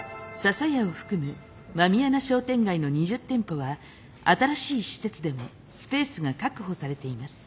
笹屋を含む狸穴商店街の２０店舗は新しい施設でもスペースが確保されています。